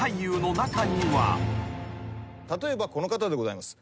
例えばこの方でございます。